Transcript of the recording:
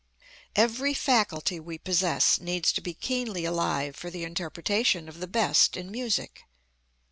Every faculty we possess needs to be keenly alive for the interpretation of the best in music.